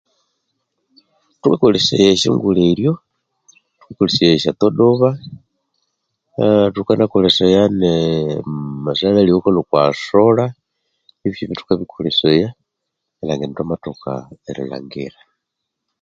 Thukakolesaya esyongoleryo, thukakolesya esya todoba, thukanakolesaya ne amasalhali awakalhwa okwa solar ebyosi ebyo thukabikolesaya erilhangira indi thwamathoka erilhangira.